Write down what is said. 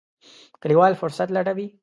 کلیوال فرصت لټوي.